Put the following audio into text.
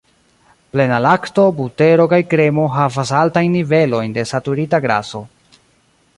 Plena lakto, butero kaj kremo havas altajn nivelojn de saturita graso.